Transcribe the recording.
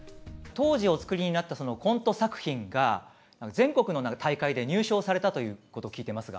当時お作りになったコント作品が全国の大会で入賞されたということ聞いてますが。